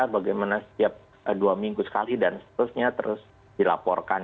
bagaimana setiap dua minggu sekali dan seterusnya terus dilaporkan